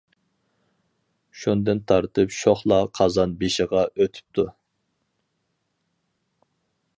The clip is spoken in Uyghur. شۇندىن تارتىپ شوخلا قازان بېشىغا ئۆتۈپتۇ.